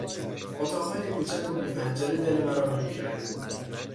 اتاقهای کوچک و بی پنجره دل مرا میگیرند.